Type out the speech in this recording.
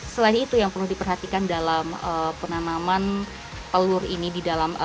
sekiranya telur cadeq mahu dijual